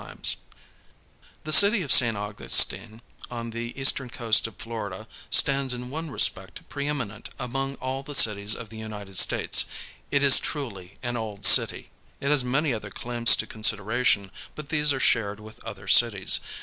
STOCKTON The city of St. Augustine, on the eastern coast of Florida, stands in one respect preeminent among all the cities of the United States—it is truly an old city. It has many other claims to consideration, but these are shared with other cities.